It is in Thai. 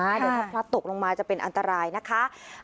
เดี๋ยวถ้าพลัดตกลงมาจะเป็นอันตรายนะคะ